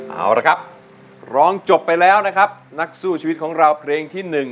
เอาละครับร้องจบไปแล้วนะครับนักสู้ชีวิตของเราเพลงที่๑